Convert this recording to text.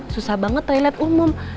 susah banget toilet umum